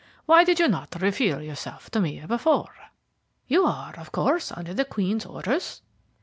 Why did you not reveal yourself to me before? You are, of course, under the Queen's orders?"